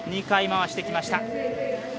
２回、回してきました。